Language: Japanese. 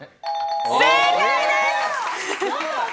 正解です。